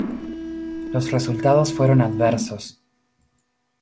Los resultados fueron adversos.